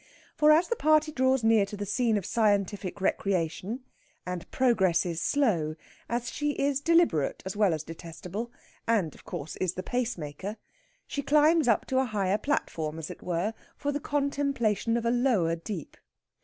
For as the party draws near to the scene of scientific recreation and progress is slow, as she is deliberate as well as detestable; and, of course, is the pace maker she climbs up to a higher platform, as it were, for the contemplation of a lower deep.